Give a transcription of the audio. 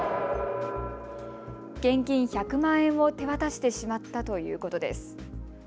現金１００万円を手渡してしまったということです。